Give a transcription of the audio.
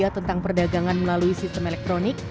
tentang perdagangan melalui sistem elektronik